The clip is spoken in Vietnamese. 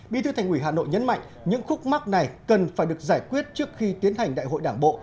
bí thư thành ủy hà nội nhấn mạnh những khúc mắc này cần phải được giải quyết trước khi tiến hành đại hội đảng bộ